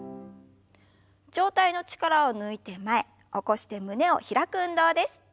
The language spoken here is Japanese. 上体の力を抜いて前起こして胸を開く運動です。